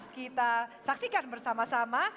kita saksikan bersama sama